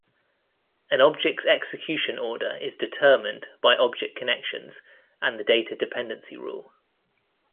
An object's execution order is determined by object connections and the data dependency rule.